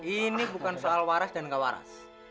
ini bukan soal waras dan nggak waras